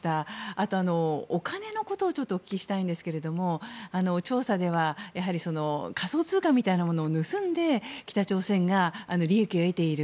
あと、お金のことをちょっとお聞きしたいんですけど調査では仮想通貨みたいなものを盗んで北朝鮮が利益を得ている。